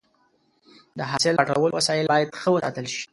د حاصل راټولولو وسایل باید ښه وساتل شي.